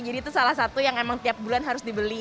jadi itu salah satu yang emang tiap bulan harus dibeli